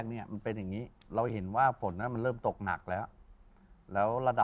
ฝนมันตกผมดีขนาดนั้นฝนตกหนักมาก